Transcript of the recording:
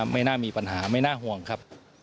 ไม่น่ามีปัญหาไม่น่าห่วงครับ